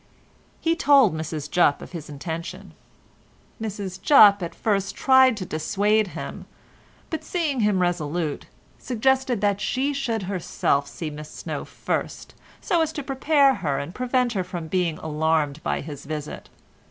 He told Mrs Jupp of his intention. Mrs Jupp at first tried to dissuade him, but seeing him resolute, suggested that she should herself see Miss Snow first, so as to prepare her and prevent her from being alarmed by his visit.